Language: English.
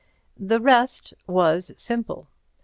The rest was simple.